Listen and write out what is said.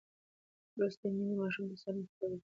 لوستې میندې ماشوم ته سالم فکر ورزده کوي.